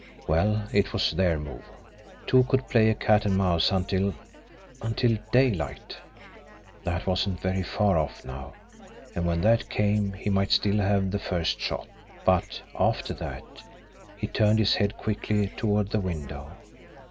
Well, it was their move! Two could play at cat and mouse until until DAYLIGHT! That wasn't very far off, now, and when that came he might still have the first shot, but after that he turned his head quickly toward the window.